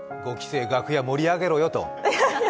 ５期生、楽屋盛り上げろよと。